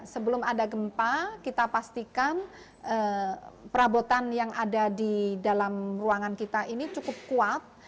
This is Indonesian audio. sebelum ada gempa kita pastikan perabotan yang ada di dalam ruangan kita ini cukup kuat